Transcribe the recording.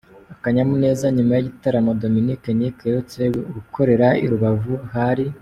akanyamuneza nyuma yigitaramo Dominic Nic aherutse gukorera i Rubavu hari.